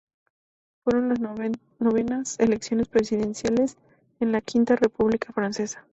Fueron las novenas elecciones presidenciales en la Quinta República Francesa.